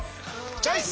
チョイス！